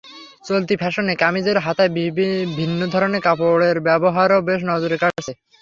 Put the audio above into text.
চলতি ফ্যাশনে কামিজের হাতায় ভিন্ন ধরনের কাপড়ের ব্যবহারও বেশ নজর কাড়ছে।